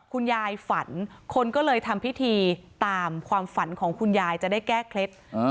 ฝันคนก็เลยทำพิธีตามความฝันของคุณยายจะได้แก้เคล็ด